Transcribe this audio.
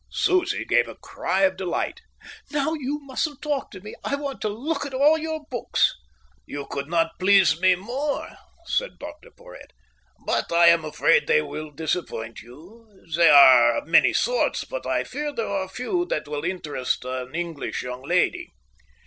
Susie gave a cry of delight. "Now you mustn't talk to me. I want to look at all your books." "You could not please me more," said Dr Porhoët, "but I am afraid they will disappoint you. They are of many sorts, but I fear there are few that will interest an English young lady."